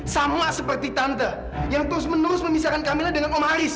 sama seperti tante yang terus menerus memisahkan kamilah dengan om ais